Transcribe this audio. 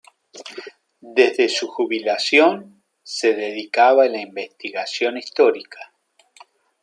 Desde su jubilación, se dedicaba a la investigación histórica.